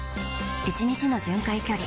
１日の巡回距離